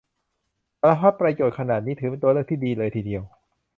สารพัดประโยชน์ขนาดนี้ถือเป็นตัวเลือกที่ดีเลยทีเดียว